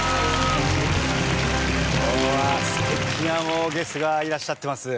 今日は素敵なゲストがいらっしゃってます。